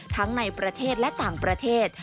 ทั้งในประเทศและต่างประเทศ